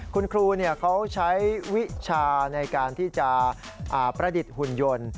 คุณครูเขาใช้วิชาในการที่จะประดิษฐ์หุ่นยนต์